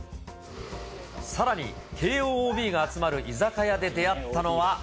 さらに慶応ＯＢが集まる居酒屋で出会ったのは。